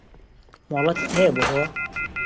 مۆڵەتت هەیە بۆ ئەوە؟